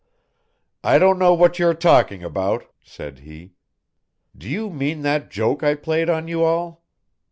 "I don't know what you are talking about," said he. "Do you mean that joke I played on you all?